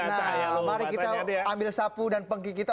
nah mari kita ambil sapu dan pengki kita